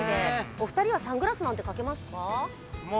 お二人はサングラスなんてかけますか？